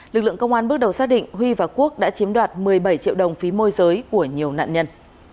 lực lượng công an bước đầu xác định huy và quốc đã chiếm đoạt một mươi bảy triệu đồng phí môi giới của nhiều nạn nhân